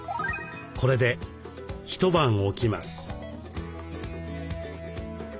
これで一晩置きます。